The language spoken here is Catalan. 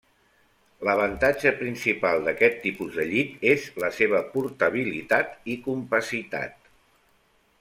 L'avantatge principal d'aquest tipus de llit és la seva portabilitat i compacitat.